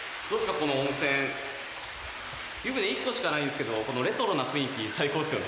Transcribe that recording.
この温泉湯船１個しかないんですけどこのレトロな雰囲気最高ですよね